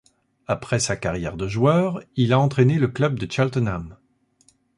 Après sa carrière de joueur, il a entraîné le club de Cheltenham.